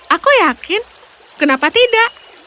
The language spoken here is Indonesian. aku yakin kenapa tidak